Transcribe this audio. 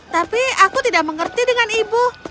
tapi aku tidak mengerti dengan ibu